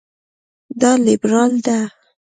دا لېبرال ده.